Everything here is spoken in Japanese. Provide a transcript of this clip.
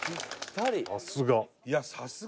さすが。